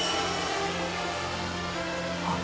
あっ！